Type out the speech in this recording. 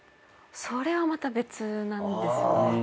それはまた別なんですよね。